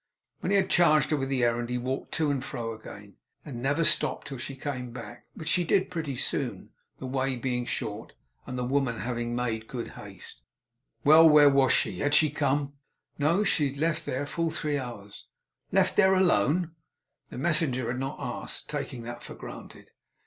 When he had charged her with her errand he walked to and fro again, and never stopped till she came back, which she did pretty soon; the way being short, and the woman having made good haste. Well! Where was she? Had she come? No. She had left there, full three hours. 'Left there! Alone?' The messenger had not asked; taking that for granted.